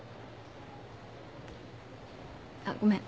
あっごめん。